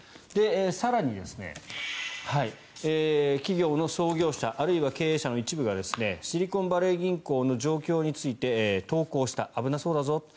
更に、企業の創業者あるいは経営者の一部がシリコンバレー銀行の状況について投稿した、危なそうだぞと。